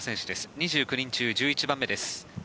２９人中１１番目です。